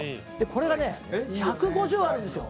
「これがね１５０あるんですよ」